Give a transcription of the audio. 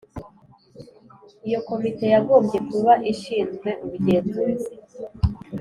Iyo komite yagombye kuba ishinzwe ubugenzuzi